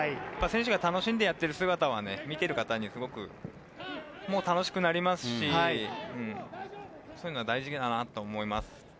選手が楽しんでやってる姿を見てるほうも楽しくなりますし、そういうのは大事だなと思います。